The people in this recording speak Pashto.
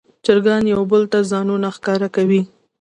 چرګان یو بل ته ځانونه ښکاره کوي.